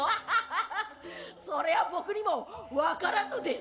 ハハハハそれは僕にも分からんのです。